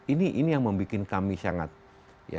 ini yang membuat kami sangat ya